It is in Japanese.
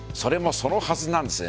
そのはずなんですね。